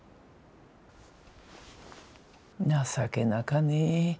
情けなかね。